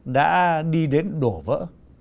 đã đi đến đổ vỡ